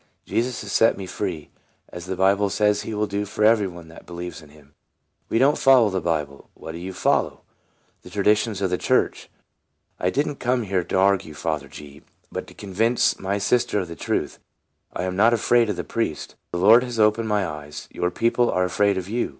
Jesus has set me free, as the Bible says he will do for every one that believes in him." "We do n't follow the Bible." " What do you follow ?"" The traditions of the church." " I did n't come here to argue, Father G., but to convince, my sister of the truth. I am not afraid of the priest. The Lord has open ed my eyes. Your people are afraid of you.